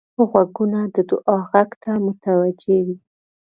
غوږونه د دعا غږ ته متوجه وي